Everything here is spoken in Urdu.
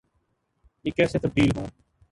یہ کیسے تبدیل ہوں۔